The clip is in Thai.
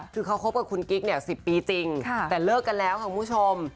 คือเขาคบกับคุณกิ๊กเนี่ย๑๐ปีจริงแต่เลิกกันแล้วค่ะคุณผู้ชม